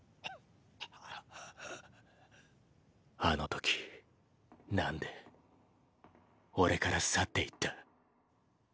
あの時何で俺から去って行った？